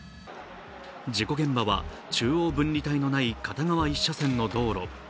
事故現場は中央分離帯のない片側１車線の道路。